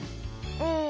うん。